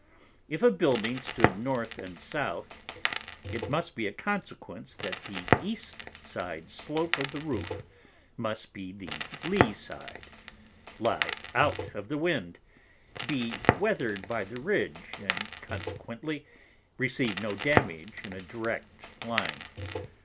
If a Building stood North and South, it must be a Consequence that the East side Slope of the Roof must be the Lee side, lie out of the Wind, be weather'd by the Ridge, and consequently receive no Damage in a direct Line.